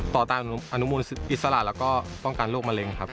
ต่อตามอนุมูลอิสระแล้วก็ป้องกันโรคมะเร็งครับ